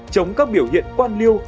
chống các biểu hiện quan liêu